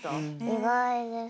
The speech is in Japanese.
意外です。